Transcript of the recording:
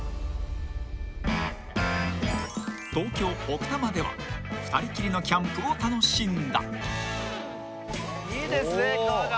［東京奥多摩では２人きりのキャンプを楽しんだ］